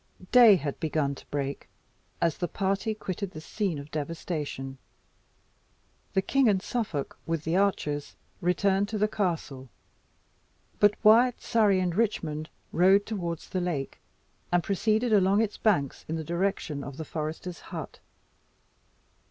Day had begun to break as the party quitted the scene of devastation. The king and Suffolk, with the archers, returned to the castle; but Wyat, Surrey, and Richmond rode towards the lake, and proceeded along its banks in the direction of the forester's hut.